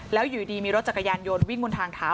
แล้วอยู่ดีมีรถจักรยานยนต์วิ่งบนทางเท้า